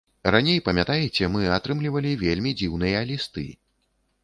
Раней, памятаеце, мы атрымлівалі вельмі дзіўныя лісты.